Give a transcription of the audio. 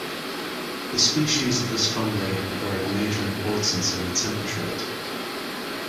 The species of this family are of major importance in the timber trade.